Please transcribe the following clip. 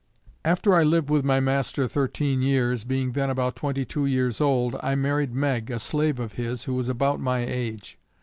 After I lived with my master thirteen years, being then about twenty two years old, I married Meg, a slave of his who was about my age.